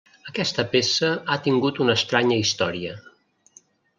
Aquesta peça ha tingut una estranya història.